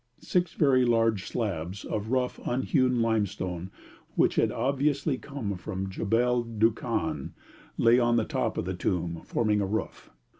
Six very large slabs of rough unhewn limestone, which had obviously come from Jebel Dukhan, lay on the top of the tomb, forming a roof.